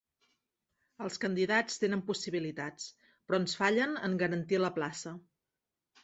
Els candidats tenen possibilitats però ens fallen en garantir la plaça.